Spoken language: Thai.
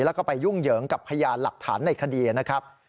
แล้วก็ไปยุ่งเหยิงกับพยานหลักฐานในคดีนะครับ